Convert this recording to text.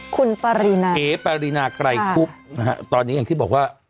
คุณปริณาเอกปริณาไก่กุ๊บตอนนี้อย่างที่บอกว่า